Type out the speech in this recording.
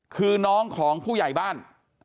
คือน้องของผู้ใหญ่บ้าน